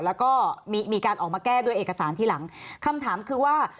แล้วก็มีการออกมาแก้ด้วยเอกสารทีหลังคำถามคือว่า